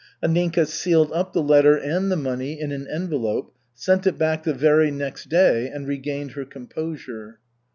Anninka sealed up the letter and the money in an envelope, sent it back the very next day, and regained her composure.